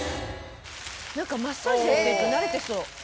マッサージやってると慣れてそう。